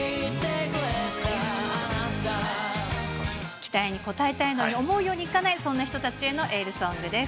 期待に応えたいのに、思うようにいかない、そんな人たちへのエールソングです。